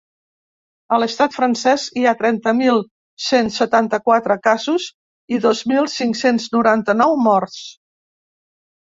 A l’estat francès hi ha trenta mil cent setanta-quatre casos i dos mil cinc-cents noranta-nou morts.